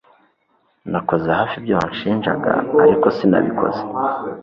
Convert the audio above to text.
Nakoze hafi ibyo wanshinjaga ariko sinabikoze